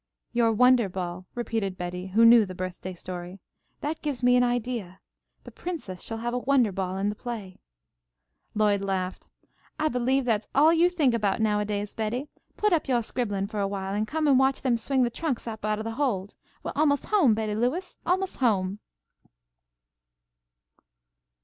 "Your wonder ball," repeated Betty, who knew the birthday story. "That gives me an idea. The princess shall have a wonder ball in the play." Lloyd laughed. "I believe that's all you think about nowadays, Betty. Put up yoah scribblin' for awhile and come and watch them swing the trunks up out of the hold. We're almost home, Betty Lewis, almost home!"